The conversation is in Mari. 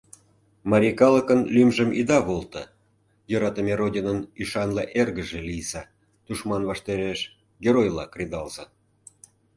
Марий калыкын лӱмжым ида волто, йӧратыме Родинын ӱшанле эргыже лийза, тушман ваштареш геройла кредалза.